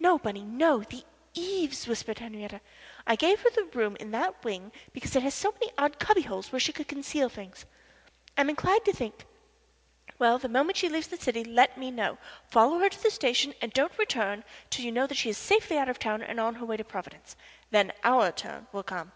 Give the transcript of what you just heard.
"No, Bunny, no the eaves," whispered Henriette. "I gave her that room in the wing because it has so many odd cubby holes where she could conceal things. I am inclined to think well, the moment she leaves the city let me know. Follow her to the station, and don't return till you know she is safely out of town and on her way to Providence. Then our turn will come."